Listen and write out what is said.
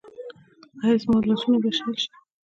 ایا زما لاسونه به شل شي؟